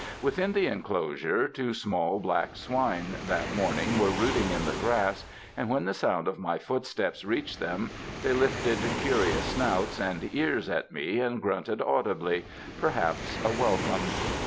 Within the enclosure two small black swine that morning were rooting in the grass, and when the sound of my footsteps reached them, they lifted curious snouts and ears at me and grunted audibly — perhaps a wel come.